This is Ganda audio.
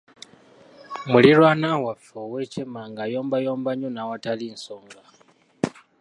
Muliraanwa waffe ow’ekyemmanga ayombayomba nnyo n’awatali nsonga.